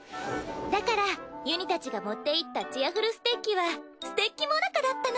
だからゆにたちが持っていったチアふるステッキはステッキもなかだったの。